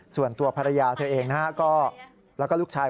ส่วนตัวภรรยาเธอเองนะฮะก็แล้วก็ลูกชาย